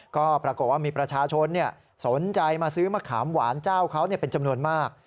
ก็ปรากฏว่ามีประชาชนสนใจมาซื้อมะขามหวานเจ้าเขาเป็นจำนวนมาก